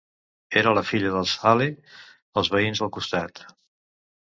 Era la filla dels Hale, els veïns del costat.